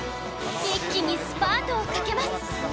一気にスパートをかけます